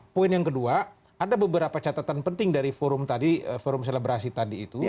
poin yang kedua ada beberapa catatan penting dari forum selebrasi tadi itu